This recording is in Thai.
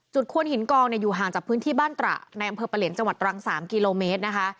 ควนหินกองอยู่ห่างจากพื้นที่บ้านตระในอำเภอปะเหลียนจังหวัดตรัง๓กิโลเมตรนะคะ